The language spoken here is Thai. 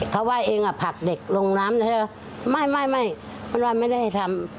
เขาว่าเองผักเด็กลงร้ำไม่มันว่าไม่ได้ทำ